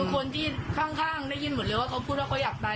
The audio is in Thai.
คนที่ข้างได้ยินหมดเลยว่าเขาพูดว่าเขาอยากตาย